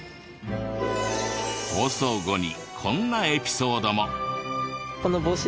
放送後にこんなエピソードも。